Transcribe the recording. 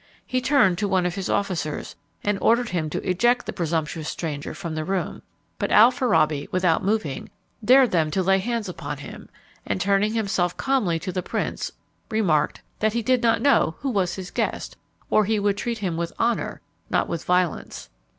He turned to one of his officers, and ordered him to eject the presumptuous stranger from the room; but Alfarabi, without moving, dared them to lay hands upon him; and, turning himself calmly to the prince, remarked, that he did not know who was his guest, or he would treat him with honour, not with violence.